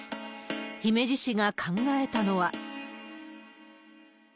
姫路市が考えたのは。